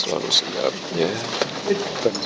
dengan buming pengajuan ini